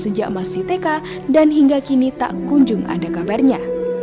sejak masih tk dan hingga kini tak kunjung ada kabarnya